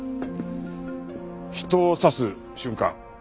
人を刺す瞬間